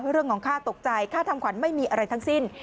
เรื่องของค่าตกใจค่าทำขวัญไม่มีอะไรทั้งสิ้น